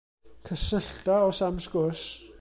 Cysyllta os am sgwrs.